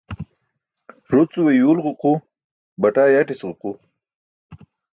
Rucuwe yuwl ġuqu, bataaa yatis ġuqu.